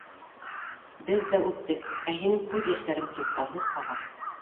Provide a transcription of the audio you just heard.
Беҙ ҙә үптек, ә һинең йәштәрең туҡтауһыҙ аға.